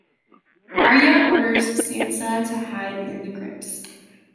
Arya orders Sansa to hide in the crypts.